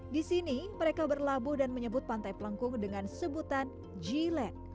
di sini mereka berlabuh dan menyebut pantai pelengkung dengan sebutan g land